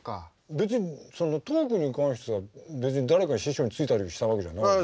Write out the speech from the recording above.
別にトークに関しては別に誰か師匠についたりしたわけじゃないでしょ？